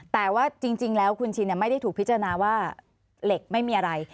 แต่ว่าจริงแล้วคุณชินไม่ได้ถูกพิจารณาว่าเหล็กไม่มีอะไร